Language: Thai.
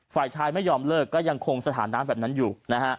ฝ่ายชายไม่ยอมเลิกก็ยังคงสถานะแบบนั้นอยู่นะฮะ